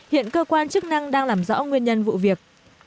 hiện cơ quan chức năng đang làm rõ nguyên nhân vụ việc